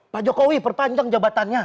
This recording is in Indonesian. pak jokowi perpanjang jabatannya